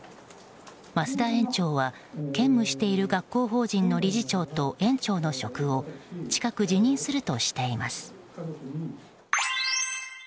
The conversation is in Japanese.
増田園長は、兼務している学校法人の理事長と園長の職を近くに辞任するとしています。